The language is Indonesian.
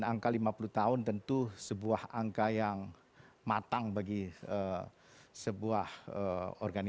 jangan lupa untuk berikan duit kepada tuhan